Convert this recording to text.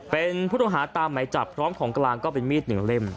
เป็นผู้ต้องหาตามไหมจับพร้อมของกลางก็เป็นมีดหนึ่งเล่ม